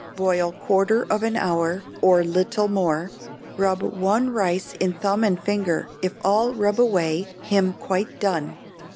Boil quarter of an hour or little more; rub one rice in thumb and finger, if all rub away him quite done.